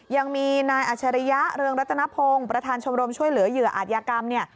ยังมีนายอัชริยะเรืองรัตนพงศ์ประธานชมรมช่วยเหลือเหยื่ออาจยากรรมเนี่ย